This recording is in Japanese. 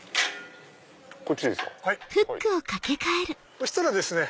そしたらですね